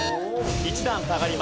１段下がります。